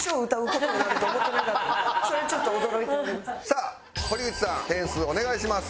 さあ堀口さん点数お願いします。